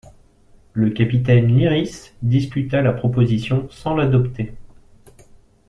Le capitaine Lyrisse discuta la proposition sans l'adopter.